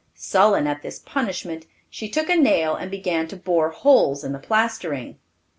Sullen at this punishment, she took a nail and began to bore holes in the plastering.